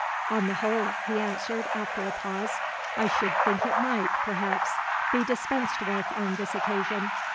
"On the whole," he answered, after a pause, "I should think it might, perhaps, be dispensed with on this occasion.